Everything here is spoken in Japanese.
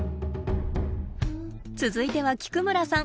続いては菊村さん。